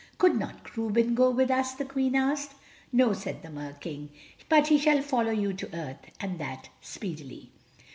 "Could not Reuben go with us?" the Queen asked. "No," said the Mer King, "but he shall follow you to earth, and that speedily."